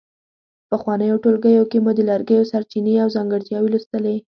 په پخوانیو ټولګیو کې مو د لرګیو سرچینې او ځانګړتیاوې لوستلې.